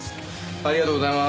ありがとうございます。